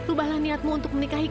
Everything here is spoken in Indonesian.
ubahlah niatmu untuk menikahiku